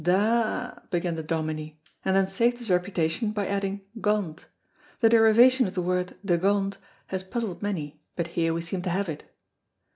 "Da a a," began the Dominie, and then saved his reputation by adding "gont." The derivation of the word dagont has puzzled many, but here we seem to have it.